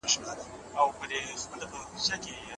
که ته په صنف کي په لومړي قطار کي کښینې.